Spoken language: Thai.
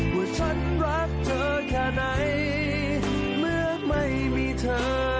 ว่าฉันรักเธอแค่ไหนเมื่อไม่มีเธอ